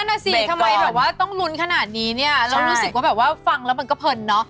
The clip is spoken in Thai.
นั่นน่ะสิทำไมแบบว่าต้องลุ้นขนาดนี้เนี่ยเรารู้สึกว่าแบบว่าฟังแล้วมันก็เพลินเนาะ